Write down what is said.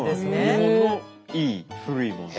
日本のいい古いもの。